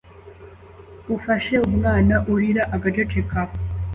ufashe umwana urira agaceceka